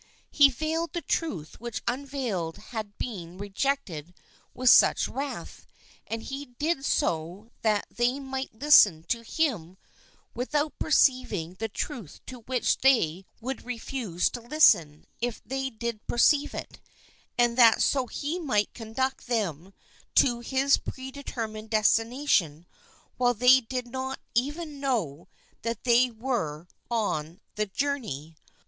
He veiled the truth which unveiled had been N rejected with such wrath, and he did so that they might listen to him without perceiving the truth to which they would refuse to listen if they did perceive it, and that so he might conduct them to his predetermined destination while they did not even know that they were on the jour ney.